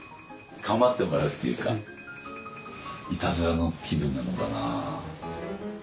構ってもらうっていうかいたずらの気分なのかな？